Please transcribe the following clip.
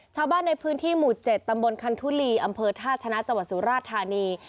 ชาวบ้านในพื้นที่หมู่๗ตำบลคันทุลีอำเภอท่าชนะจังหวัดสุราชธานี